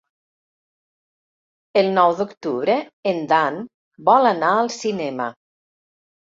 El nou d'octubre en Dan vol anar al cinema.